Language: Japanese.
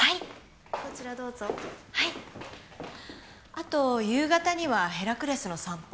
あと夕方にはヘラクレスの散歩。